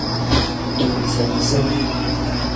閒仙仙